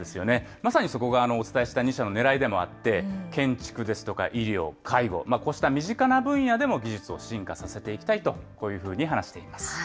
まさにそこがお伝えした２社のねらいでもあって、建築ですとか医療、介護、こうした身近な分野での技術を進化させていきたいと、こういうふうに話しています。